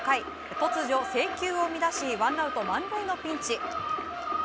突如、制球を乱しワンアウト満塁のピンチ。